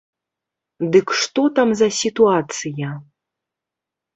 Дык што там за сітуацыя?